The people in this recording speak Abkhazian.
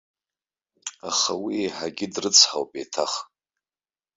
Аха уи иеиҳагьы дрыцҳауп еиҭах.